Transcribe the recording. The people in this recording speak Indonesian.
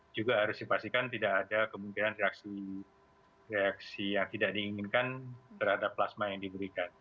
juga harus dipastikan tidak ada kemungkinan reaksi yang tidak diinginkan terhadap plasma yang diberikan